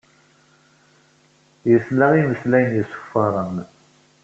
Yesla i yimeslayen yessekfaṛen.